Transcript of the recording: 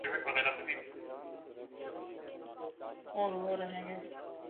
اوروہ رہیں گے۔